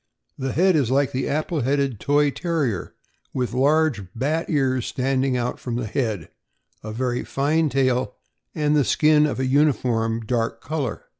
The head is like the apple headed Toy Terrier, with large bat ears standing out from the head, a very fine tail, and the skin of a uniform dark color.